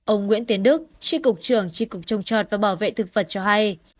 ông nguyễn tiến đức tri cục trường tri cục trồng chọt và bảo vệ thực vật cho hay